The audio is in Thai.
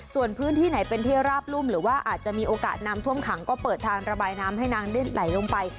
ส่วนพื้นที่ไหนเป็นที่ราบรุ่มหรือว่าอาจจะมีโอกาสน้ำท่วมขังก็เปิดทางระบายน้ำให้นางได้ไหลลงไป